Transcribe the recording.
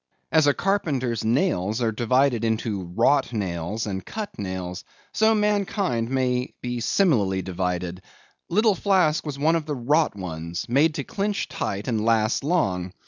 As a carpenter's nails are divided into wrought nails and cut nails; so mankind may be similarly divided. Little Flask was one of the wrought ones; made to clinch tight and last long.